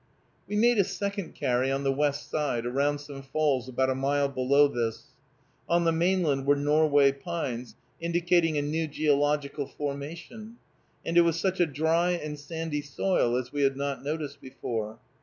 We made a second carry on the west side, around some falls about a mile below this. On the mainland were Norway pines, indicating a new geological formation, and it was such a dry and sandy soil as we had not noticed before.